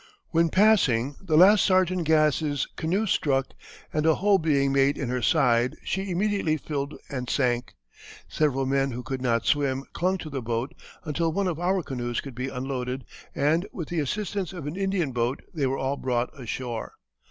When passing the last Sergeant Gass's "canoe struck, and a hole being made in her side she immediately filled and sank. Several men who could not swim clung to the boat until one of our canoes could be unloaded, and with the assistance of an Indian boat they were all brought ashore.